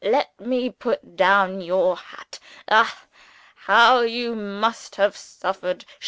Let me put down your hat. Ah! how you must have suffered!